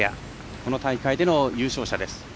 この大会での優勝者です。